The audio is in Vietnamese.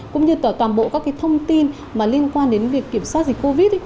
cũng như tỏa toàn bộ các thông tin liên quan đến việc kiểm soát dịch covid